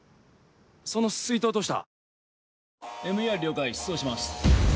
その水筒どうした？